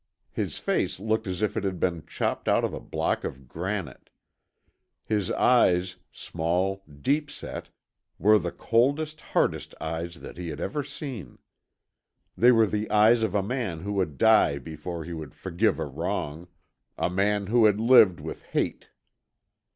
His face looked as if it had been chopped out of a block of granite. His eyes, small, deep set, were the coldest, hardest eyes that he had ever seen. They were the eyes of a man who would die before he would forgive a wrong; a man who had lived with hate.